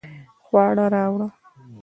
خواړه راوړه